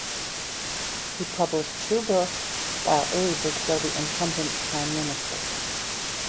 He published two books while Abe was still the incumbent prime minister.